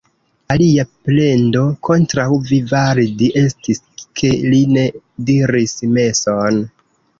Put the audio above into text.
Alia plendo kontraŭ Vivaldi estis, ke li ne diris meson.